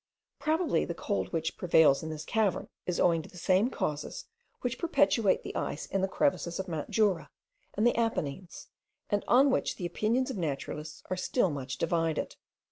Probably the cold which prevails in this cavern, is owing to the same causes which perpetuate the ice in the crevices of Mount Jura and the Apennines, and on which the opinions of naturalists are still much divided.